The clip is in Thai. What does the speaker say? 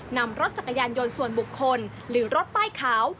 นำรถจักรยานยนต์ส่วนบุคคลหรือรถป้ายขาว